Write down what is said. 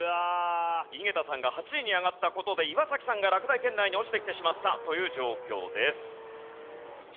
井桁さんが８位に上がった事で岩崎さんが落第圏内に落ちてきてしまったという状況です。